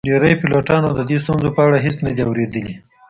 ډیری پیلوټانو د دې ستونزو په اړه هیڅ نه دي اوریدلي